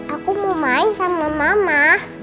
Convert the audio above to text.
aku mau main sama mama